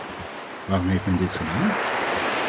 Waarom heeft men dit gedaan?